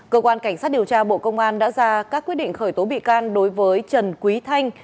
cơ quan cảnh sát điều tra bộ công an đã ra các quyết định khởi tố bị can đối với trần quý thanh